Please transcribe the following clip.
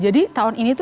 jadi tahun ini tuh